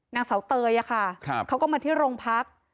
นางเสาเตยอะค่ะเขาก็มาที่โรงพัก